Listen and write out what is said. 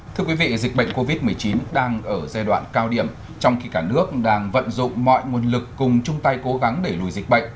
thưa quý vị dịch bệnh covid một mươi chín đang ở giai đoạn cao điểm trong khi cả nước đang vận dụng mọi nguồn lực cùng chung tay cố gắng để lùi dịch bệnh